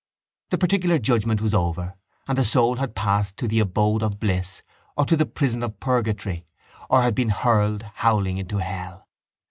The particular judgement was over and the soul had passed to the abode of bliss or to the prison of purgatory or had been hurled howling into hell.